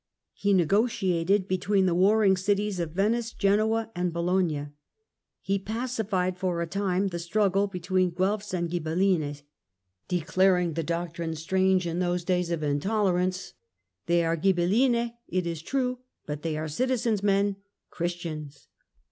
He negotiated between the warring cities of Venice, Genoa and Bologna ; he pacified for a time the struggle between Guelfs and Ghibellines, declaring the doctrine strange in those days of intolerance :" they are Ghibellines it is true but they are citizens, men, Christians